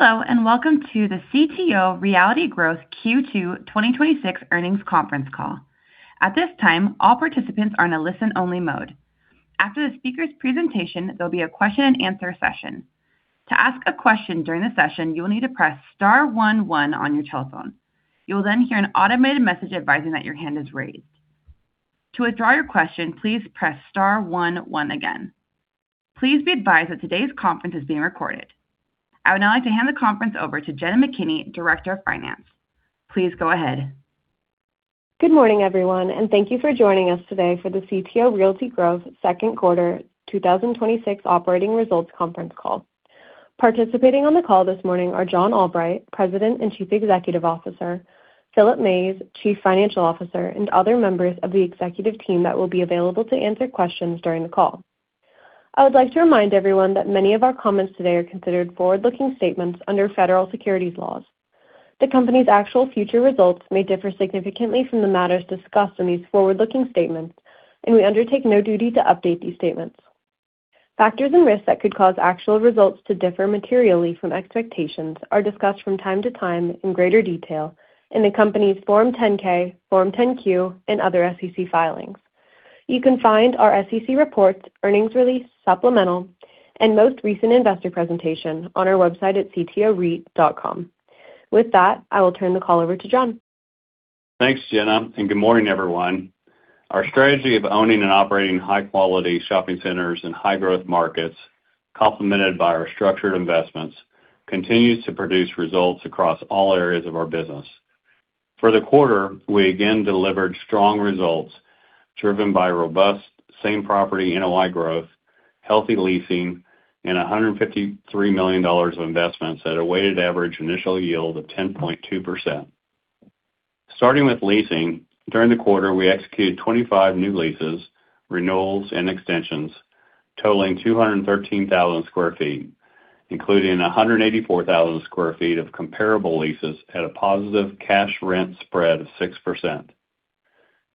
Hello, and welcome to the CTO Realty Growth Q2 2026 earnings conference call. At this time, all participants are in a listen-only mode. After the speaker's presentation, there will be a question-and-answer session. To ask a question during the session, you will need to press star one one on your telephone. You will then hear an automated message advising that your hand is raised. To withdraw your question, please press star one one again. Please be advised that today's conference is being recorded. I would now like to hand the conference over to Jenna McKinney, Director of Finance. Please go ahead. Good morning, everyone, and thank you for joining us today for the CTO Realty Growth second quarter 2026 operating results conference call. Participating on the call this morning are John Albright, President and Chief Executive Officer, Philip Mays, Chief Financial Officer, and other members of the executive team that will be available to answer questions during the call. I would like to remind everyone that many of our comments today are considered forward-looking statements under federal securities laws. The company's actual future results may differ significantly from the matters discussed in these forward-looking statements, and we undertake no duty to update these statements. Factors and risks that could cause actual results to differ materially from expectations are discussed from time to time in greater detail in the company's Form 10-K, Form 10-Q, and other SEC filings. You can find our SEC reports, earnings release, supplemental, and most recent investor presentation on our website at ctoreit.com. With that, I will turn the call over to John. Thanks, Jenna, and good morning, everyone. Our strategy of owning and operating high-quality shopping centers in high-growth markets, complemented by our structured investments, continues to produce results across all areas of our business. For the quarter, we again delivered strong results driven by robust same-property NOI growth, healthy leasing, and $153 million of investments at a weighted average initial yield of 10.2%. Starting with leasing, during the quarter, we executed 25 new leases, renewals, and extensions totaling 213,000 sq ft, including 184,000 sq ft of comparable leases at a positive cash rent spread of 6%.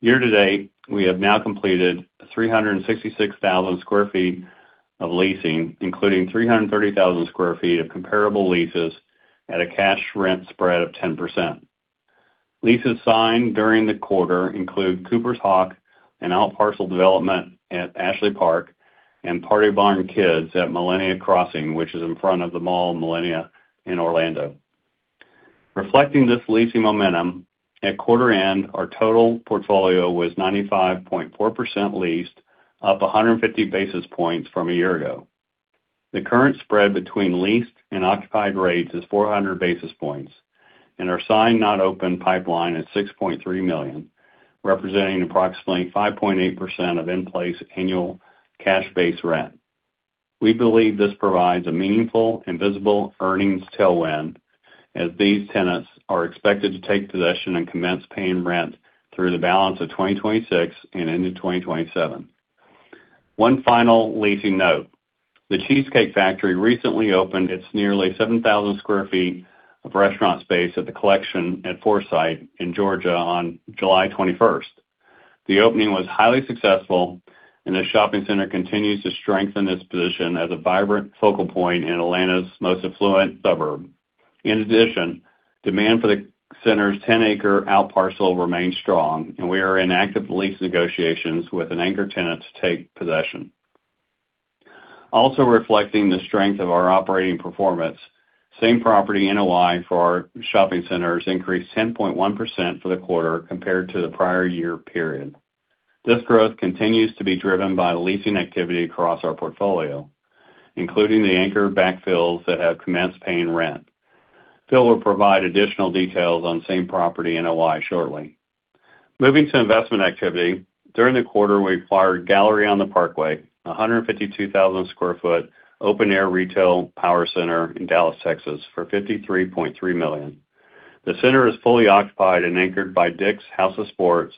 Year-to-date, we have now completed 366,000 sq ft of leasing, including 330,000 sq ft of comparable leases at a cash rent spread of 10%. Leases signed during the quarter include Cooper's Hawk, an outparcel development at Ashley Park, and Party City Kids at Millenia Crossing, which is in front of the Mall of Millenia in Orlando. Reflecting this leasing momentum, at quarter end, our total portfolio was 95.4% leased, up 150 basis points from a year ago. The current spread between leased and occupied rates is 400 basis points, and our signed not open pipeline is $6.3 million, representing approximately 5.8% of in-place annual cash base rent. We believe this provides a meaningful and visible earnings tailwind as these tenants are expected to take possession and commence paying rent through the balance of 2026 and into 2027. One final leasing note: The Cheesecake Factory recently opened its nearly 7,000 sq ft of restaurant space at The Collection at Forsyth in Georgia on July 21st. The opening was highly successful, and the shopping center continues to strengthen its position as a vibrant focal point in Atlanta's most affluent suburb. In addition, demand for the center's 10-acre outparcel remains strong, and we are in active lease negotiations with an anchor tenant to take possession. Also reflecting the strength of our operating performance, same property NOI for our shopping centers increased 10.1% for the quarter compared to the prior year period. Phil will provide additional details on same property NOI shortly. Moving to investment activity, during the quarter, we acquired Gallery on the Parkway, a 152,000 sq ft open air retail power center in Dallas, Texas for $53.3 million. The center is fully occupied and anchored by Dick's House of Sport,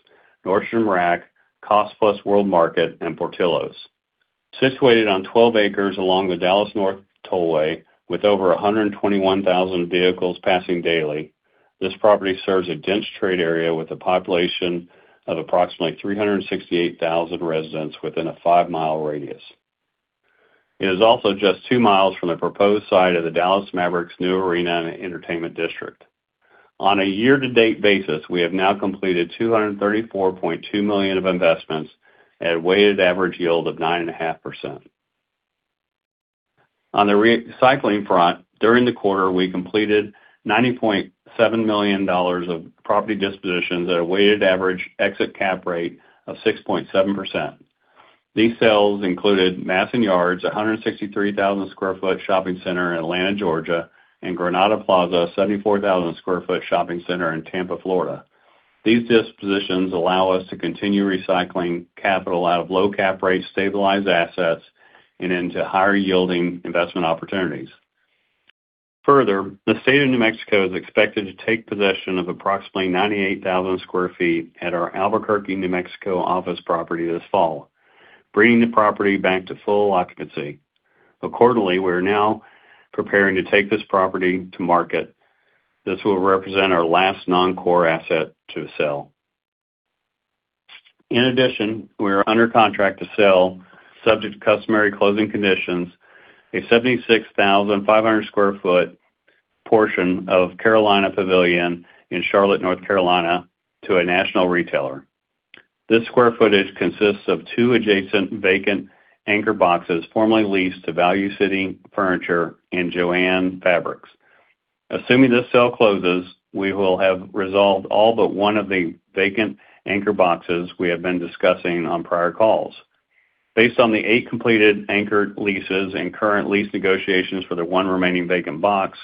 Nordstrom Rack, Cost Plus World Market, and Portillo's. Situated on 12 acres along the Dallas North Tollway with over 121,000 vehicles passing daily, this property serves a dense trade area with a population of approximately 368,000 residents within a five-mile radius. It is also just two miles from the proposed site of the Dallas Mavericks' new arena and entertainment district. On a year-to-date basis, we have now completed $234.2 million of investments at a weighted average yield of 9.5%. On the recycling front, during the quarter, we completed $90.7 million of property dispositions at a weighted average exit cap rate of 6.7%. These sales included Madison Yards, a 163,000 sq ft shopping center in Atlanta, Georgia, and Granada Plaza, a 74,000 sq ft shopping center in Tampa, Florida. These dispositions allow us to continue recycling capital out of low cap rate stabilized assets and into higher yielding investment opportunities. Further, the State of New Mexico is expected to take possession of approximately 98,000 sq ft at our Albuquerque, New Mexico office property this fall, bringing the property back to full occupancy. Accordingly, we are now preparing to take this property to market. This will represent our last non-core asset to sell. In addition, we are under contract to sell, subject to customary closing conditions, a 76,500 sq ft portion of Carolina Pavilion in Charlotte, North Carolina, to a national retailer. This square footage consists of two adjacent vacant anchor boxes, formerly leased to Value City Furniture and JOANN Fabrics. Assuming this sale closes, we will have resolved all but one of the vacant anchor boxes we have been discussing on prior calls. Based on the eight completed anchor leases and current lease negotiations for the one remaining vacant box,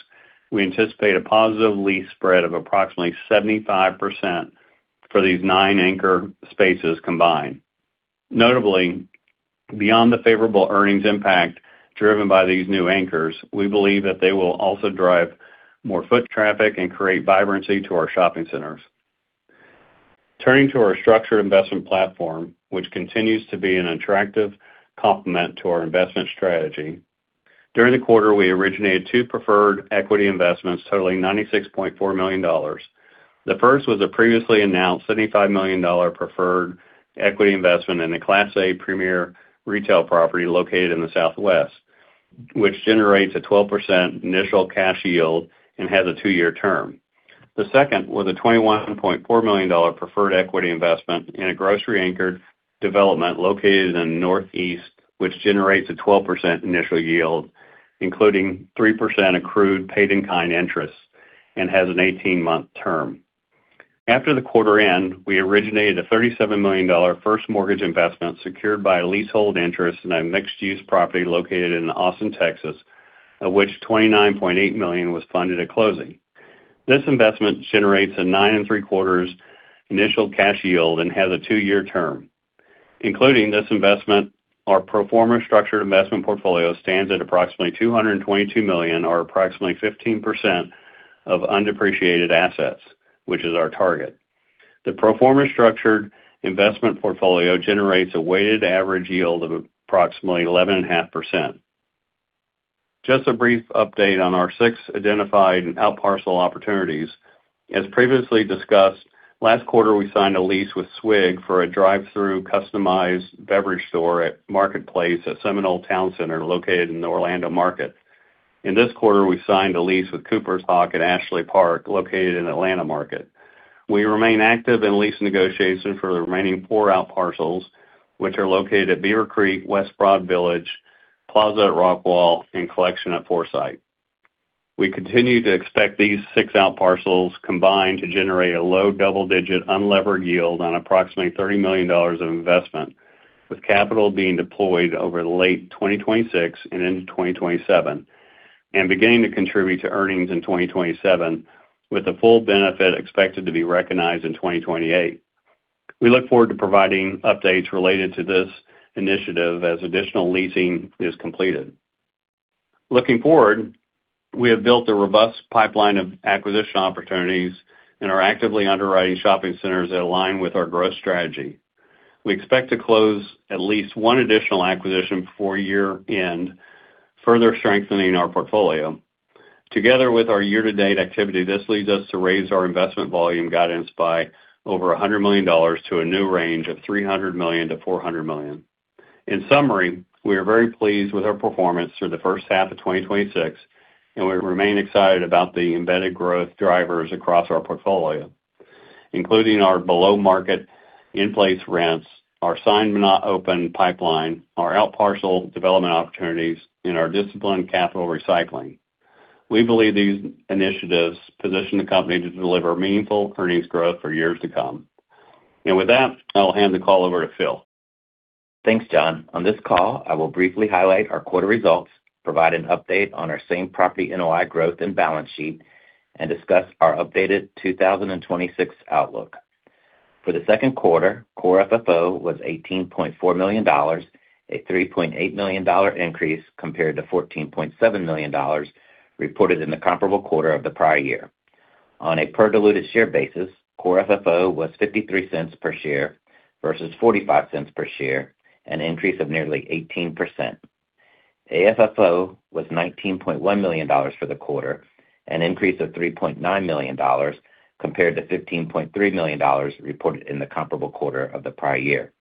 we anticipate a positive lease spread of approximately 75% for these nine anchor spaces combined. Notably, beyond the favorable earnings impact driven by these new anchors, we believe that they will also drive more foot traffic and create vibrancy to our shopping centers. Turning to our structured investment platform, which continues to be an attractive complement to our investment strategy. During the quarter, we originated two preferred equity investments totaling $96.4 million. The first was a previously announced $75 million preferred equity investment in a Class A premier retail property located in the Southwest, which generates a 12% initial cash yield and has a two-year term. The second was a $21.4 million preferred equity investment in a grocery anchored development located in the Northeast, which generates a 12% initial yield, including 3% accrued paid in kind interest and has an 18-month term. After the quarter end, we originated a $37 million first mortgage investment secured by a leasehold interest in a mixed-use property located in Austin, Texas, of which $29.8 million was funded at closing. This investment generates a 9.75% initial cash yield and has a two-year term. Including this investment, our pro forma structured investment portfolio stands at approximately $222 million, or approximately 15% of undepreciated assets, which is our target. The pro forma structured investment portfolio generates a weighted average yield of approximately 11.5%. Just a brief update on our six identified outparcel opportunities. As previously discussed, last quarter we signed a lease with Swig for a drive-thru customized beverage store at Marketplace at Seminole Towne Center, located in the Orlando market. In this quarter, we signed a lease with Cooper's Hawk at Ashley Park, located in the Atlanta market. We remain active in lease negotiations for the remaining four outparcels, which are located at Beaver Creek, West Broad Village, Plaza at Rockwall, and Collection at Forsyth. We continue to expect these six outparcels combined to generate a low double-digit unlevered yield on approximately $30 million of investment, with capital being deployed over late 2026 and into 2027, and beginning to contribute to earnings in 2027, with the full benefit expected to be recognized in 2028. We look forward to providing updates related to this initiative as additional leasing is completed. Looking forward, we have built a robust pipeline of acquisition opportunities and are actively underwriting shopping centers that align with our growth strategy. We expect to close at least one additional acquisition before year-end, further strengthening our portfolio. Together with our year-to-date activity, this leads us to raise our investment volume guidance by over $100 million to a new range of $300 million-$400 million. In summary, we are very pleased with our performance through the first half of 2026, and we remain excited about the embedded growth drivers across our portfolio, including our below market in-place rents, our signed but not open pipeline, our outparcel development opportunities, and our disciplined capital recycling. We believe these initiatives position the company to deliver meaningful earnings growth for years to come. With that, I'll hand the call over to Phil. Thanks, John. On this call, I will briefly highlight our quarter results, provide an update on our same property NOI growth and balance sheet, and discuss our updated 2026 outlook. For the second quarter, Core FFO was $18.4 million, a $3.8 million increase compared to $14.7 million reported in the comparable quarter of the prior year. On a per diluted share basis, Core FFO was $0.53 per share, versus $0.45 per share, an increase of nearly 18%. AFFO was $19.1 million for the quarter, an increase of $3.9 million compared to $15.3 million reported in the comparable quarter of the prior year.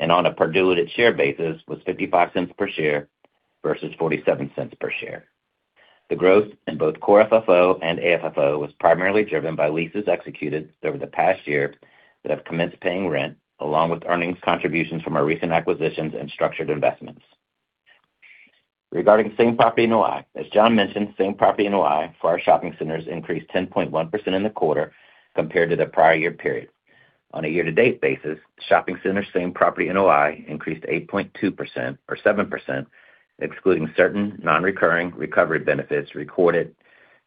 On a per diluted share basis was $0.55 per share versus $0.47 per share. The growth in both Core FFO and AFFO was primarily driven by leases executed over the past year that have commenced paying rent, along with earnings contributions from our recent acquisitions and structured investments. Regarding same property NOI, as John mentioned, same property NOI for our shopping centers increased 10.1% in the quarter compared to the prior year period. On a year-to-date basis, shopping center same property NOI increased 8.2%, or 7%, excluding certain non-recurring recovery benefits recorded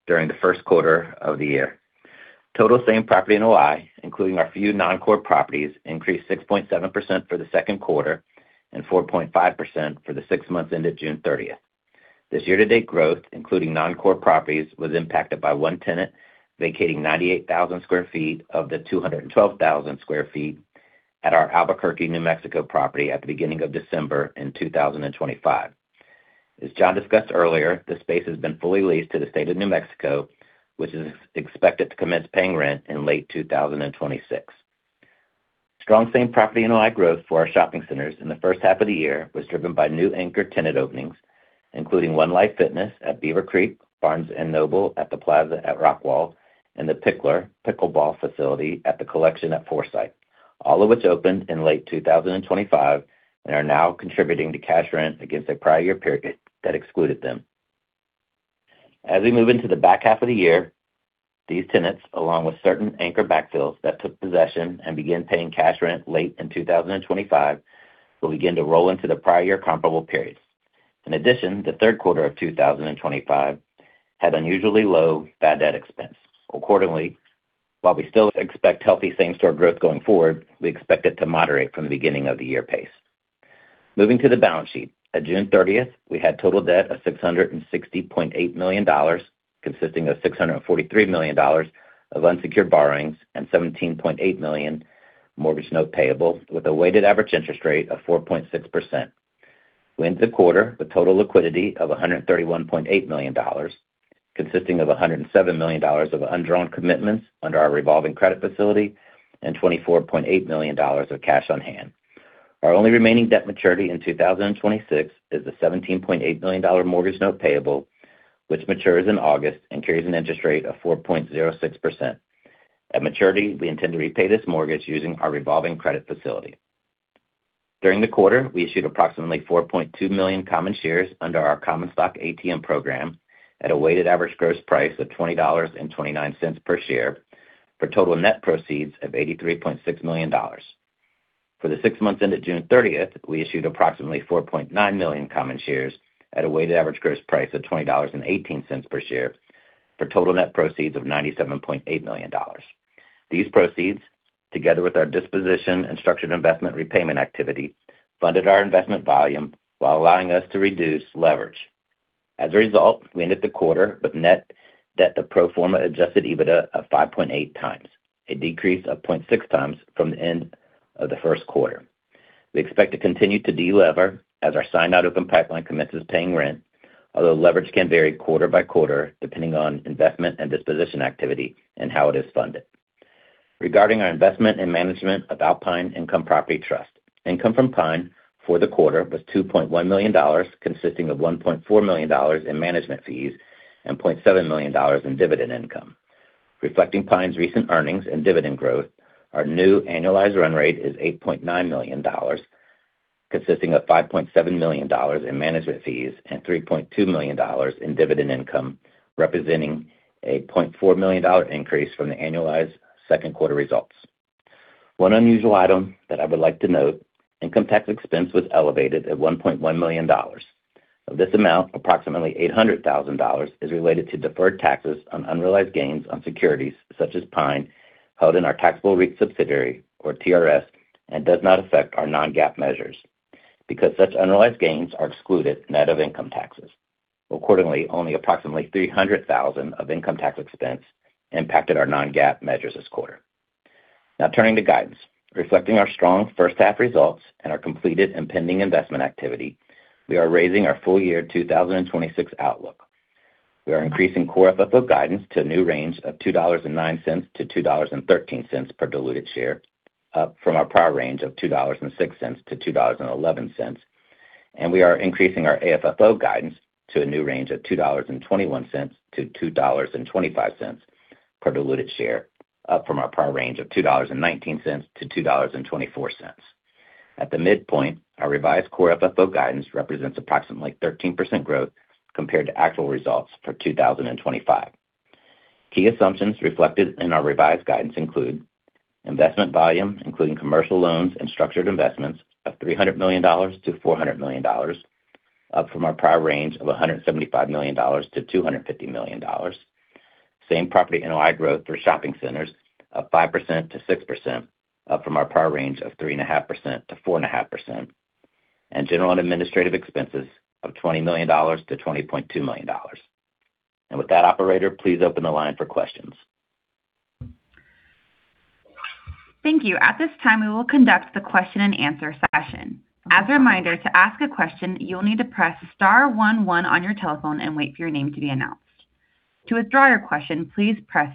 during the first quarter of the year. Total same property NOI, including our few non-core properties, increased 6.7% for the second quarter and 4.5% for the six months ended June 30th. This year-to-date growth, including non-core properties, was impacted by one tenant vacating 98,000 sq ft of the 212,000 sq ft at our Albuquerque, New Mexico property at the beginning of December in 2025. As John discussed earlier, the space has been fully leased to the State of New Mexico, which is expected to commence paying rent in late 2026. Strong same-property NOI growth for our shopping centers in the first half of the year was driven by new anchor tenant openings, including Onelife Fitness at Beaver Creek, Barnes & Noble at The Plaza at Rockwall, and the Picklr pickleball facility at The Collection at Forsyth, all of which opened in late 2025 and are now contributing to cash rent against a prior year period that excluded them. As we move into the back half of the year, these tenants, along with certain anchor backfills that took possession and began paying cash rent late in 2025, will begin to roll into the prior year comparable periods. In addition, the third quarter of 2025 had unusually low bad debt expense. Accordingly, while we still expect healthy same-store growth going forward, we expect it to moderate from the beginning of the year pace. Moving to the balance sheet. At June 30th, we had total debt of $660.8 million, consisting of $643 million of unsecured borrowings and $17.8 million mortgage note payable, with a weighted average interest rate of 4.6%. We ended the quarter with total liquidity of $131.8 million, consisting of $107 million of undrawn commitments under our revolving credit facility and $24.8 million of cash on hand. Our only remaining debt maturity in 2026 is the $17.8 million mortgage note payable, which matures in August and carries an interest rate of 4.06%. At maturity, we intend to repay this mortgage using our revolving credit facility. During the quarter, we issued approximately 4.2 million common shares under our common stock ATM program at a weighted average gross price of $20.29 per share for total net proceeds of $83.6 million. For the six months ended June 30th, we issued approximately 4.9 million common shares at a weighted average gross price of $20.18 per share for total net proceeds of $97.8 million. These proceeds, together with our disposition and structured investment repayment activity, funded our investment volume while allowing us to reduce leverage. As a result, we ended the quarter with net debt to pro forma adjusted EBITDA of 5.8x, a decrease of 0.6x from the end of the first quarter. We expect to continue to delever as our signed ATM pipeline commences paying rent. Although leverage can vary quarter by quarter depending on investment and disposition activity and how it is funded. Regarding our investment and management of Alpine Income Property Trust, income from Pine for the quarter was $2.1 million, consisting of $1.4 million in management fees and $0.7 million in dividend income. Reflecting Pine's recent earnings and dividend growth, our new annualized run rate is $8.9 million, consisting of $5.7 million in management fees and $3.2 million in dividend income, representing a $0.4 million increase from the annualized second quarter results. One unusual item that I would like to note, income tax expense was elevated at $1.1 million. Of this amount, approximately $800,000 is related to deferred taxes on unrealized gains on securities such as Pine, held in our taxable REIT subsidiary, or TRS, and does not affect our non-GAAP measures because such unrealized gains are excluded net of income taxes. Accordingly, only approximately $300,000 of income tax expense impacted our non-GAAP measures this quarter. Now turning to guidance. Reflecting our strong first half results and our completed and pending investment activity, we are raising our full year 2026 outlook. We are increasing Core FFO guidance to a new range of $2.09-$2.13 per diluted share, up from our prior range of $2.06-$2.11. We are increasing our AFFO guidance to a new range of $2.21-$2.25 per diluted share, up from our prior range of $2.19-$2.24. At the midpoint, our revised Core FFO guidance represents approximately 13% growth compared to actual results for 2025. Key assumptions reflected in our revised guidance include investment volume, including commercial loans and structured investments of $300 million-$400 million, up from our prior range of $175 million-$250 million. Same-property NOI growth for shopping centers of 5%-6%, up from our prior range of 3.5%-4.5%. General and administrative expenses of $20 million-$20.2 million. With that, operator, please open the line for questions. Thank you. At this time, we will conduct the question-and-answer session. As a reminder, to ask a question, you will need to press one one on your telephone and wait for your name to be announced. To withdraw your question, please press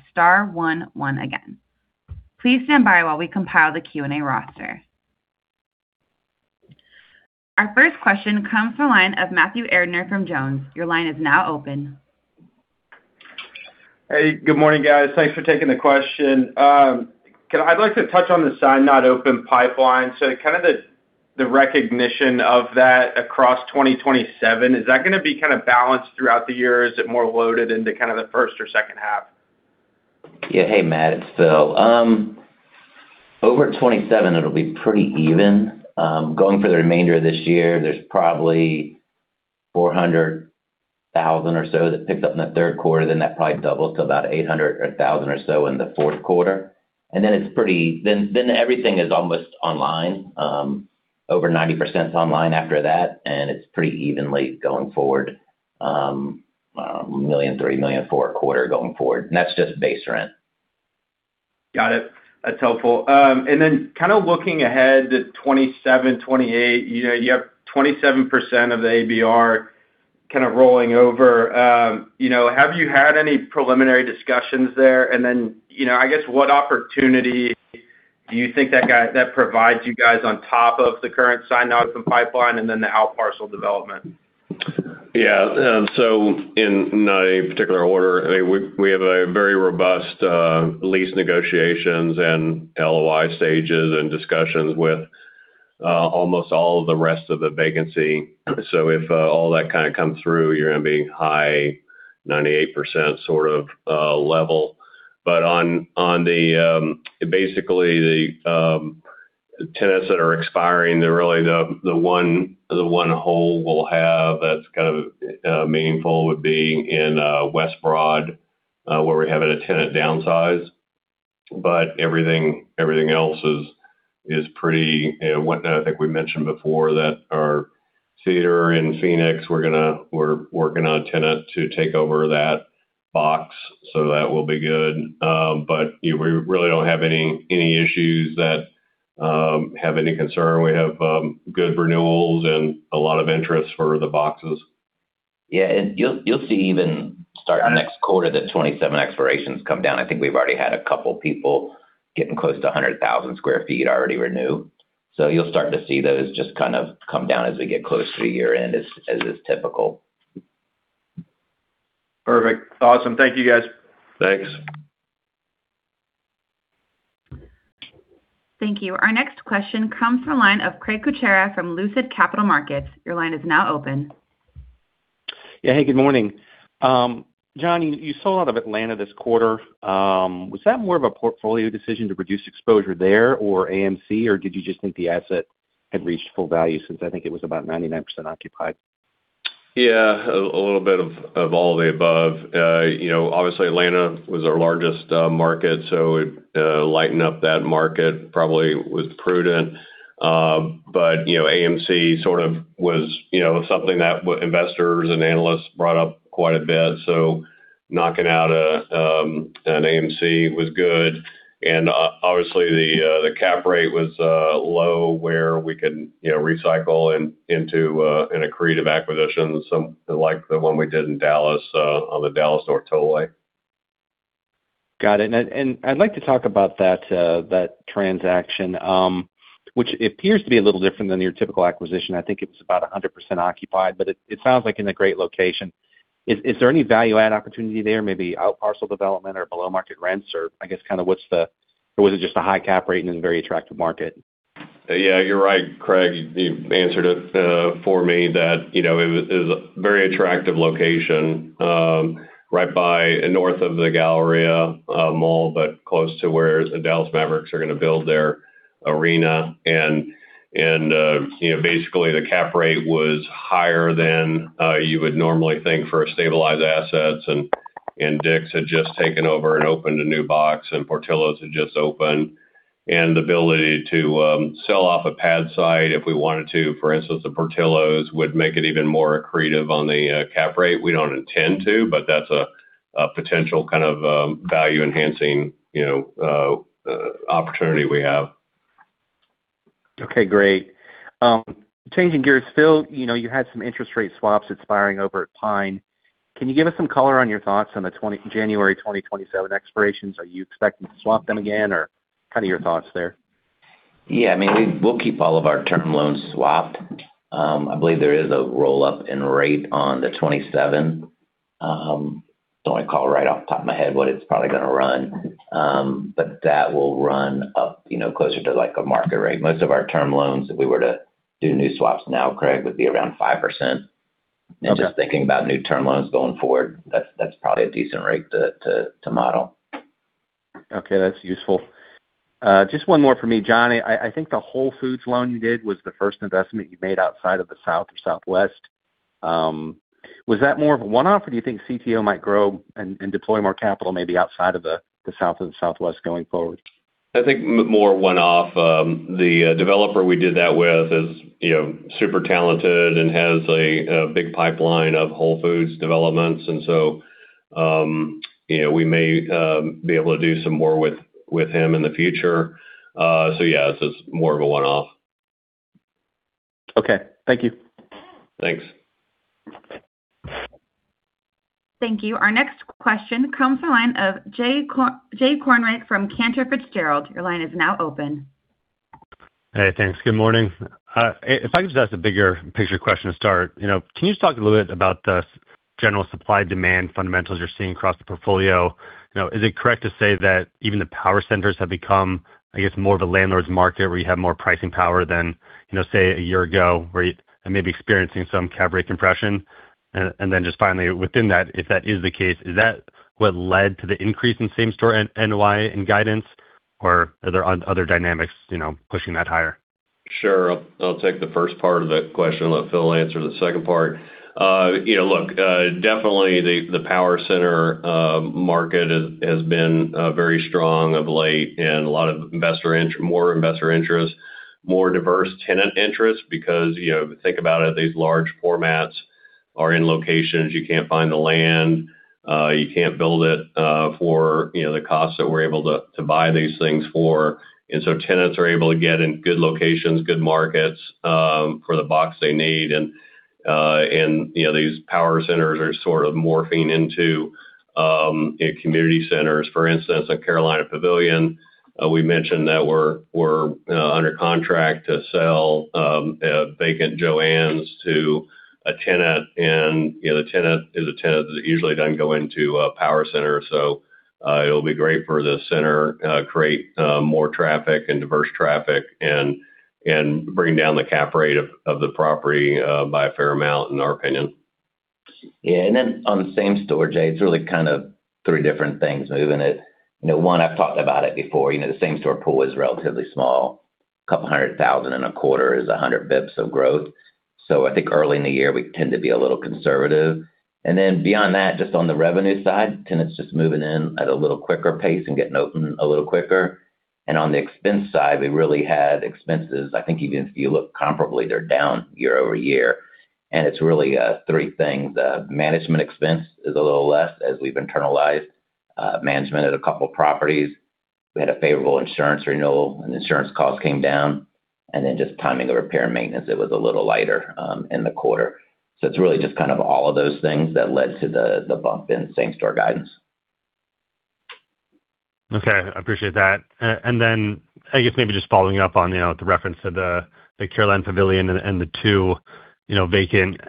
one one again. Please stand by while we compile the Q&A roster. Our first question comes from the line of Matthew Erdner from Jones. Your line is now open. Hey, good morning, guys. Thanks for taking the question. I would like to touch on the signed not open pipeline. The recognition of that across 2027, is that gonna be balanced throughout the year? Is it more loaded into the first or second half? Yeah. Hey, Matt, it's Phil. Over at 2027 it'll be pretty even. Going for the remainder of this year, there's probably $400,000 or so that picked up in the third quarter, then that probably doubles to about $800 or $1,000 or so in the fourth quarter. Then everything is almost online. Over 90% is online after that, and it's pretty evenly going forward, $1 million, $3 million for a quarter going forward. That's just base rent Got it. That's helpful. Looking ahead to 2027, 2028, you have 27% of the ABR rolling over. Have you had any preliminary discussions there? I guess what opportunity do you think that provides you guys on top of the current signed docs and pipeline, and then the out parcel development? Yeah. In not a particular order, we have a very robust lease negotiations and LOI stages and discussions with almost all of the rest of the vacancy. If all that kind of comes through, you're going to be high 98% sort of level. Basically, the tenants that are expiring, really the one hole we'll have that's kind of meaningful would be in West Broad, where we're having a tenant downsize. Everything else is pretty. One thing I think we mentioned before that our theater in Phoenix, we're working on a tenant to take over that box, so that will be good. We really don't have any issues that have any concern. We have good renewals and a lot of interest for the boxes. You'll see even starting next quarter, the 2027 expirations come down. I think we've already had a couple people getting close to 100,000 square feet already renew. You'll start to see those just kind of come down as we get close to year-end as is typical. Perfect. Awesome. Thank you guys. Thanks. Thank you. Our next question comes from the line of Craig Kucera from Lucid Capital Markets. Your line is now open. Yeah. Hey, good morning. John, you sold out of Atlanta this quarter. Was that more of a portfolio decision to reduce exposure there or AMC, or did you just think the asset had reached full value since I think it was about 99% occupied? A little bit of all the above. Obviously Atlanta was our largest market, so it lighten up that market probably was prudent. AMC sort of was something that investors and analysts brought up quite a bit. Knocking out an AMC was good, and obviously the cap rate was low where we can recycle in accretive acquisitions, like the one we did in Dallas on the Dallas North Tollway. Got it. I'd like to talk about that transaction, which appears to be a little different than your typical acquisition. I think it was about 100% occupied, but it sounds like in a great location. Is there any value add opportunity there, maybe out parcel development or below market rents, or I guess kind of what's the? Was it just a high cap rate and a very attractive market? Yeah, you're right, Craig. You answered it for me that it was a very attractive location. Right by, north of the Galleria Mall, but close to where the Dallas Mavericks are going to build their arena. Basically, the cap rate was higher than you would normally think for a stabilized assets, and Dick's had just taken over and opened a new box, and Portillo's had just opened. The ability to sell off a pad site if we wanted to, for instance, the Portillo's, would make it even more accretive on the cap rate. We don't intend to, but that's a potential kind of value-enhancing opportunity we have. Okay, great. Changing gears. Phil, you had some interest rate swaps expiring over at Pine. Can you give us some color on your thoughts on the January 2027 expirations? Are you expecting to swap them again, or kind of your thoughts there? We'll keep all of our term loans swapped. I believe there is a roll-up in rate on the 2027. Don't recall right off the top of my head what it's probably going to run. That will run up closer to like a market rate. Most of our term loans, if we were to do new swaps now, Craig, would be around 5%. Okay. Just thinking about new term loans going forward, that's probably a decent rate to model. Okay, that's useful. Just one more from me, John. I think the Whole Foods loan you did was the first investment you made outside of the South or Southwest. Was that more of a one-off or do you think CTO might grow and deploy more capital maybe outside of the South and Southwest going forward? I think more one-off. The developer we did that with is super talented and has a big pipeline of Whole Foods developments, so, we may be able to do some more with him in the future. Yeah, this is more of a one-off. Okay. Thank you. Thanks. Thank you. Our next question comes from the line of Jay Kornreich from Cantor Fitzgerald. Your line is now open. Hey, thanks. Good morning. If I could just ask a bigger picture question to start. Can you just talk a little bit about the general supply-demand fundamentals you're seeing across the portfolio? Is it correct to say that even the power centers have become, I guess, more of a landlord's market where you have more pricing power than, say, a year ago, where you are maybe experiencing some cap rate compression? Then just finally, within that, if that is the case, is that what led to the increase in same-store NOI and guidance, or are there other dynamics pushing that higher? Sure. I'll take the first part of that question and let Phil answer the second part. Look, definitely the power center market has been very strong of late and a lot of more investor interest, more diverse tenant interest because if you think about it, these large formats are in locations you can't find the land, you can't build it for the cost that we're able to buy these things for. Tenants are able to get in good locations, good markets for the box they need. These power centers are sort of morphing into community centers. For instance, at Carolina Pavilion, we mentioned that we're under contract to sell a vacant JOANN's to a tenant. The tenant is a tenant that usually doesn't go into a power center. It'll be great for the center, create more traffic and diverse traffic, and bring down the cap rate of the property by a fair amount, in our opinion. Yeah. On the same-store, Jay, it's really kind of three different things moving it. One, I've talked about it before. The same-store pool is relatively small. A couple hundred thousand in a quarter is 100 basis points of growth. I think early in the year, we tend to be a little conservative. Beyond that, just on the revenue side, tenants just moving in at a little quicker pace and getting open a little quicker. On the expense side, we really had expenses, I think even if you look comparably, they're down year-over-year. It's really three things. Management expense is a little less as we've internalized management at a couple of properties. We had a favorable insurance renewal, and insurance costs came down. Just timing of repair and maintenance, it was a little lighter in the quarter. It's really just kind of all of those things that led to the bump in same-store guidance. Okay. I appreciate that. I guess maybe just following up on the reference to the Carolina Pavilion and the two vacant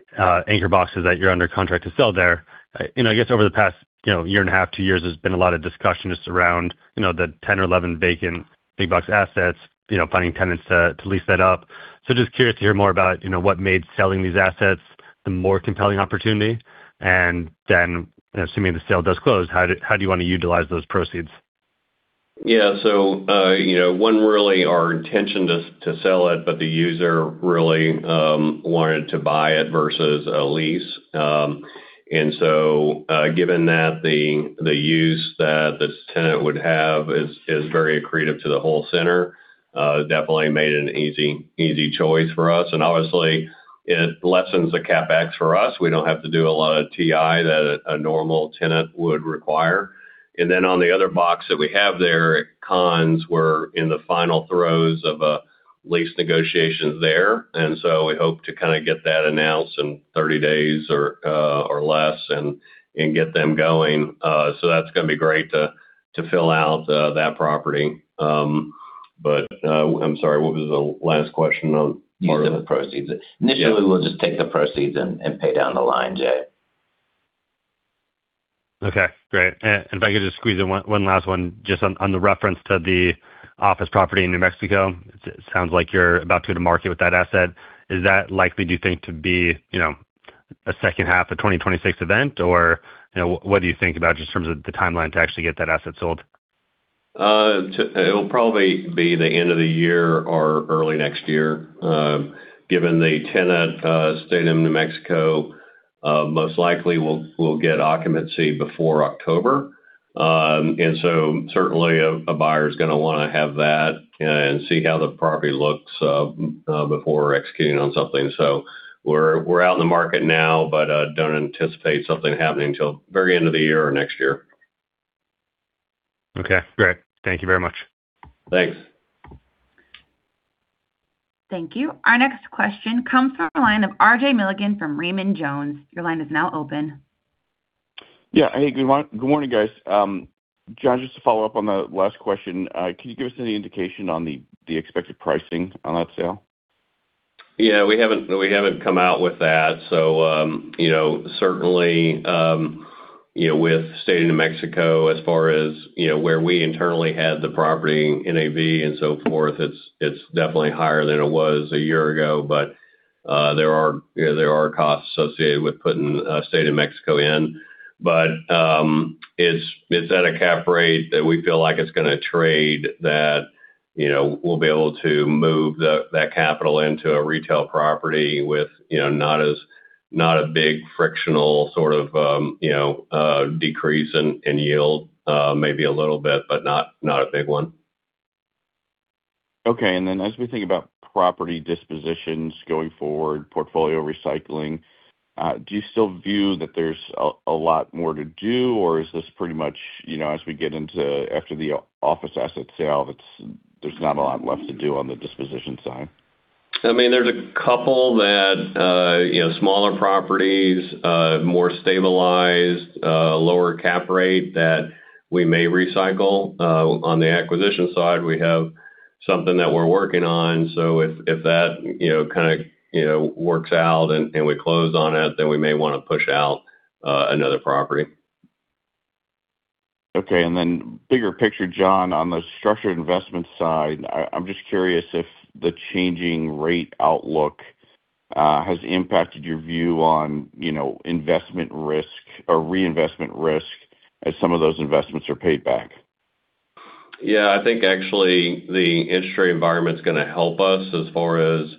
anchor boxes that you're under contract to sell there. I guess over the past year and a half, two years, there's been a lot of discussion just around the 10 or 11 vacant big box assets, finding tenants to lease that up. Just curious to hear more about what made selling these assets the more compelling opportunity. Assuming the sale does close, how do you want to utilize those proceeds? One really, our intention to sell it, but the user really wanted to buy it versus a lease. Given that the use that this tenant would have is very accretive to the whole center, definitely made it an easy choice for us. Obviously, it lessens the CapEx for us. We don't have to do a lot of TI that a normal tenant would require. Then on the other box that we have there, Conn's were in the final throes of lease negotiations there. We hope to kind of get that announced in 30 days or less and get them going. That's going to be great to fill out that property. I'm sorry, what was the last question on part of. Use of the proceeds. Yeah. Initially, we'll just take the proceeds and pay down the line, Jay. Okay, great. If I could just squeeze in one last one, just on the reference to the office property in New Mexico, it sounds like you're about to go to market with that asset. Is that likely, do you think, to be a second half of 2026 event? Or what do you think about just in terms of the timeline to actually get that asset sold? It'll probably be the end of the year or early next year. Given the tenant staying in New Mexico, most likely we'll get occupancy before October. Certainly a buyer's going to want to have that and see how the property looks before executing on something. We're out in the market now, but don't anticipate something happening till very end of the year or next year. Okay, great. Thank you very much. Thanks. Thank you. Our next question comes from the line of RJ Milligan from Raymond James. Your line is now open. Yeah. Hey, good morning, guys. John, just to follow up on the last question, can you give us any indication on the expected pricing on that sale? Yeah, we haven't come out with that. Certainly, with State of New Mexico, as far as where we internally had the property NAV and so forth, it's definitely higher than it was a year ago. There are costs associated with putting State of New Mexico in. It's at a cap rate that we feel like it's going to trade, that we'll be able to move that capital into a retail property with not a big frictional sort of decrease in yield. Maybe a little bit, but not a big one. Okay. Then as we think about property dispositions going forward, portfolio recycling, do you still view that there's a lot more to do, or is this pretty much as we get into after the office asset sale, there's not a lot left to do on the disposition side? There's a couple that smaller properties, more stabilized, lower cap rate that we may recycle. On the acquisition side, we have something that we're working on. If that kind of works out and we close on it, then we may want to push out another property. Okay. Then bigger picture, John, on the structured investment side, I'm just curious if the changing rate outlook has impacted your view on investment risk or reinvestment risk as some of those investments are paid back. Yeah. I think actually the interest rate environment's going to help us as far as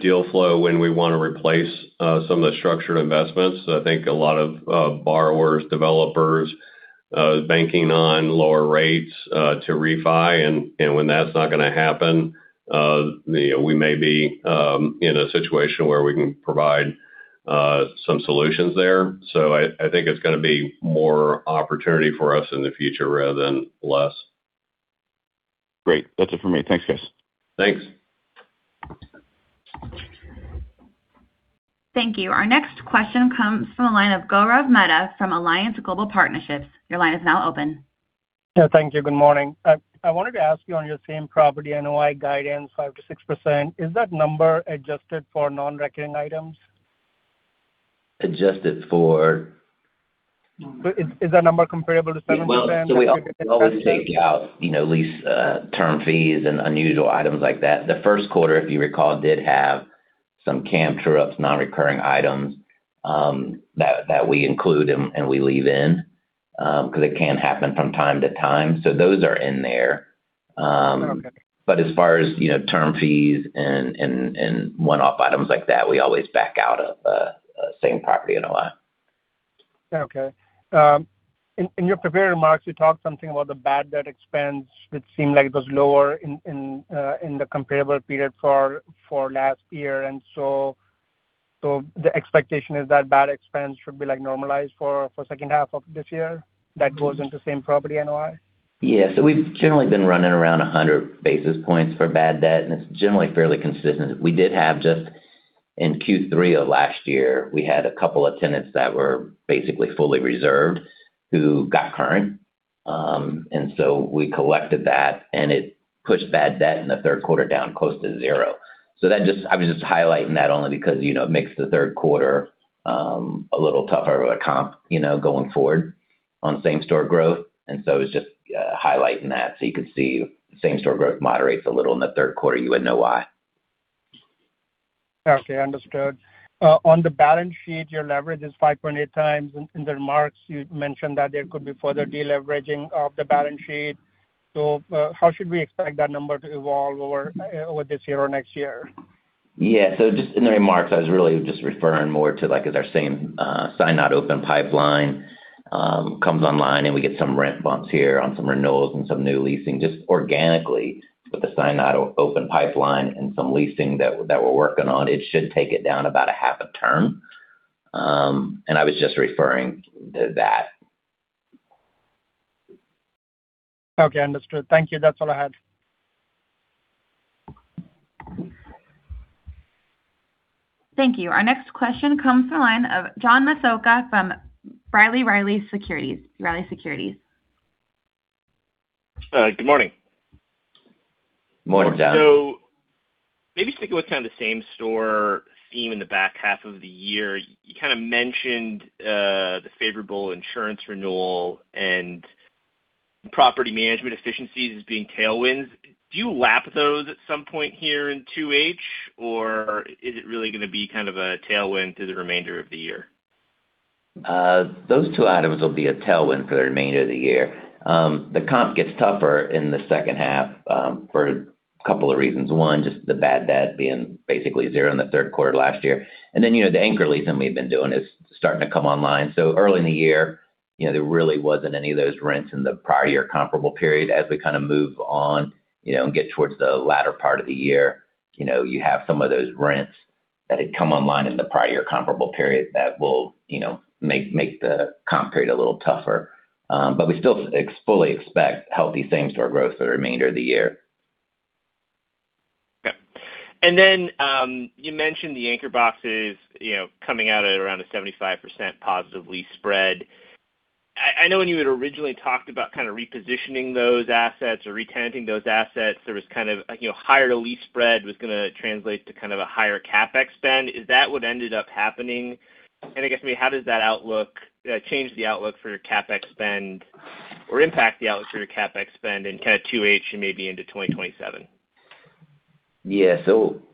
deal flow when we want to replace some of the structured investments. I think a lot of borrowers, developers Is banking on lower rates to refi, and when that's not going to happen, we may be in a situation where we can provide some solutions there. I think it's going to be more opportunity for us in the future rather than less. Great. That's it for me. Thanks, guys. Thanks. Thank you. Our next question comes from the line of Gaurav Mehta from Alliance Global Partnership. Your line is now open. Yeah. Thank you. Good morning. I wanted to ask you on your same-property NOI guidance, 5%-6%, is that number adjusted for non-recurring items? Adjusted for. Is that number comparable to 7%? We always take out lease term fees and unusual items like that. The first quarter, if you recall, did have some CAM true-ups, non-recurring items, that we include and we leave in, because it can happen from time to time. Those are in there. Okay. As far as term fees and one-off items like that, we always back out of same-property NOI. Okay. In your prepared remarks, you talked something about the bad debt expense, which seemed like it was lower in the comparable period for last year. The expectation is that bad expense should be normalized for second half of this year? That goes into same property NOI? We've generally been running around 100 basis points for bad debt, and it's generally fairly consistent. We did have just in Q3 of last year, we had a couple of tenants that were basically fully reserved who got current. We collected that, and it pushed bad debt in the third quarter down close to zero. I was just highlighting that only because it makes the third quarter, a little tougher of a comp, going forward on same-store growth. It's just highlighting that. You could see same-store growth moderates a little in the third quarter, you would know why. Okay, understood. On the balance sheet, your leverage is 5.8x. In the remarks, you mentioned that there could be further deleveraging of the balance sheet. How should we expect that number to evolve over this year or next year? Just in the remarks, I was really just referring more to like, as our same signed, not open pipeline comes online and we get some rent bumps here on some renewals and some new leasing, just organically with the signed not open pipeline and some leasing that we're working on, it should take it down about a half a term. I was just referring to that. Okay, understood. Thank you. That's all I had. Thank you. Our next question comes from the line of John Massocca from B. Riley Securities. Good morning. Morning, John. Maybe sticking with kind of the same-store theme in the back half of the year, you kind of mentioned the favorable insurance renewal and property management efficiencies as being tailwinds. Do you lap those at some point here in second half, or is it really going to be kind of a tailwind through the remainder of the year? Those two items will be a tailwind for the remainder of the year. The comp gets tougher in the second half, for a couple of reasons. One, just the bad debt being basically 0% in the third quarter last year. The anchor leasing we've been doing is starting to come online. Early in the year, there really wasn't any of those rents in the prior year comparable period. As we kind of move on, and get towards the latter part of the year, you have some of those rents that had come online in the prior comparable period that will make the comp period a little tougher. We still fully expect healthy same-store growth for the remainder of the year. Okay. You mentioned the anchor boxes coming out at around a 75% positive lease spread. I know when you had originally talked about kind of repositioning those assets or re-tenanting those assets, there was kind of higher lease spread was going to translate to kind of a higher CapEx spend. Is that what ended up happening? I guess, maybe how does that change the outlook for your CapEx spend or impact the outlook for your CapEx spend in kind of second half and maybe into 2027? Yeah.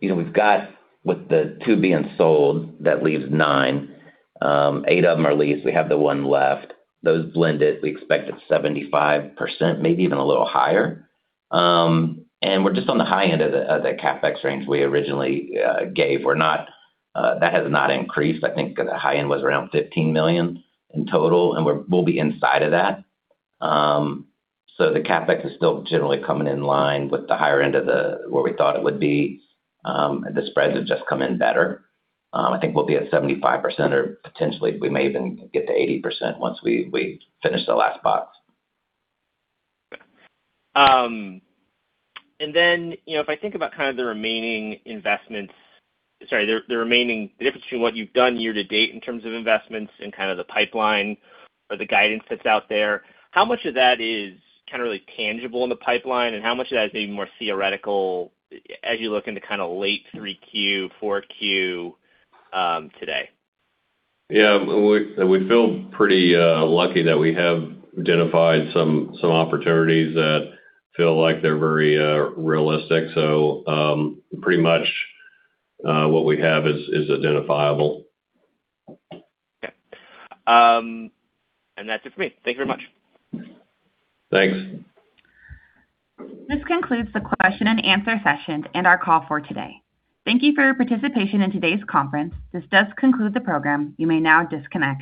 We've got with the 2 being sold, that leaves 9. 8 of them are leased. We have the 1 left. Those blended, we expect it's 75%, maybe even a little higher. We're just on the high end of the CapEx range we originally gave. That has not increased. I think the high end was around $15 million in total, and we'll be inside of that. The CapEx is still generally coming in line with the higher end of where we thought it would be. The spreads have just come in better. I think we'll be at 75% or potentially we may even get to 80% once we finish the last box. If I think about kind of the remaining investments, the difference between what you've done year-to-date in terms of investments and kind of the pipeline or the guidance that's out there, how much of that is kind of really tangible in the pipeline, and how much of that is maybe more theoretical as you look into kind of late Q3, Q4, today? Yeah. We feel pretty lucky that we have identified some opportunities that feel like they're very realistic. Pretty much what we have is identifiable. Okay. That's it for me. Thank you very much. Thanks. This concludes the question-and-answer session and our call for today. Thank you for your participation in today's conference. This does conclude the program. You may now disconnect.